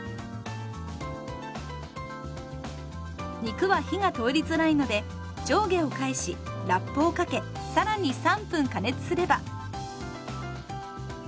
肉は火が通りづらいので上下を返しラップをかけ更に３分加熱すれば。